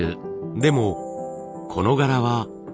でもこの柄は複雑。